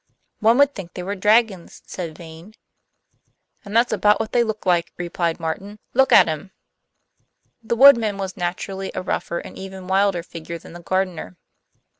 "One would think they were dragons," said Vane. "And that's about what they look like," replied Martin. "Look at 'em!" The woodman was naturally a rougher and even wilder figure than the gardener.